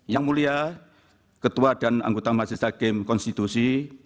yang mulia ketua dan anggota majelis hakim konstitusi